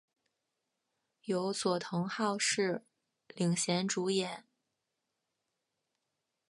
由佐藤浩市领衔主演。